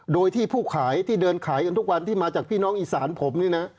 โดยที่ผู้ขายที่เดินขายกันทุกวันที่มาจากพี่น้องอีสานผมนี่นะ